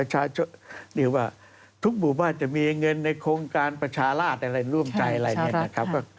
เรียกว่าทุกหมู่บ้านจะมีเงินในโครงการประชาราชอะไรร่วมใจอะไรเนี่ยนะครับ